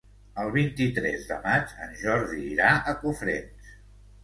El vint-i-tres de maig en Jordi irà a Cofrents.